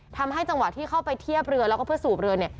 ทำให้จังหวะที่เข้าไปเทียบเรือแล้วก็สูบเรือ